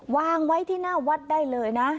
วางไว้ที่หน้าวัดได้เลยนะ